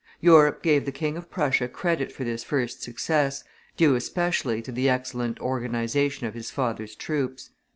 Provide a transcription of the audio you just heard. Europe gave the King of Prussia credit for this first success, due especially to the excellent organization of his father's troops.